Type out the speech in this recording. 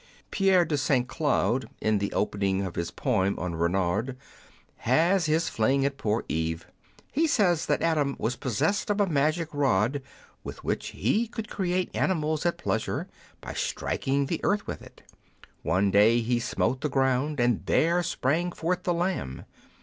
Pierre de Saint Cloud, in the opening of his poem on Renard, has his fling at poor Eve. He says that Adam was possessed of a magic rod, with which he could create animals at pleasure, by striking the earth with it. One day he smote the ground, and there sprang forth the lamb.